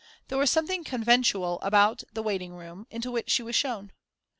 There was something conventual about the waiting room, into which she was shown.